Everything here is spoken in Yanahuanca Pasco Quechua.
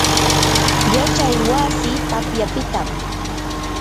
yachay wasi tapyapitam.